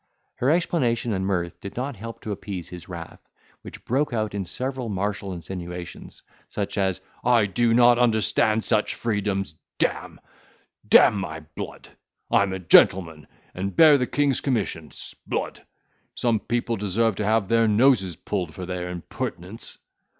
Her explanation and mirth did not help to appease his wrath, which broke out in several martial insinuations, such as—"I do not understand such freedoms, d—me! D—n my blood! I'm a gentleman, and bear the king's commission. 'Sblood! some people deserve to have their noses pulled for their impertinence."